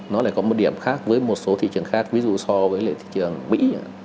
nó lại có một điểm khác với một số thị trường khác ví dụ so với lại thị trường mỹ